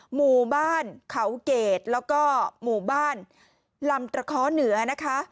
หมู่บ้านเขาเกรดแล้วก็หมู่บ้านลำตระเคาะเหนือนะคะ